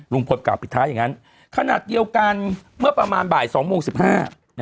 ลุงพลปกรรมปิท้ายอย่างนั้นขนาดเดียวกันเมื่อประมาณบ่าย๒โมง๑๕